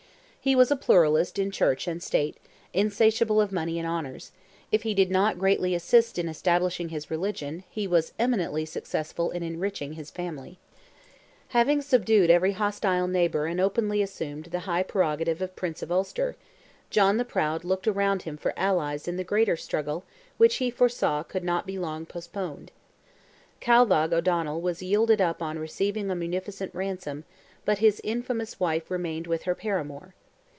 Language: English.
He was a pluralist in Church and State, insatiable of money and honours; if he did not greatly assist in establishing his religion, he was eminently successful in enriching his family. Having subdued every hostile neighbour and openly assumed the high prerogative of Prince of Ulster, John the Proud looked around him for allies in the greater struggle which he foresaw could not be long postponed. Calvagh O'Donnell was yielded up on receiving a munificent ransom, but his infamous wife remained with her paramour.